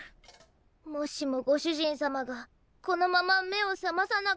もしもご主人様がこのまま目を覚まさなかったら。